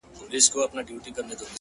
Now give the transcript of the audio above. د کلي دې ظالم ملا سيتار مات کړی دی،